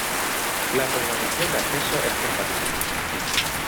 La programación de acceso es compatible.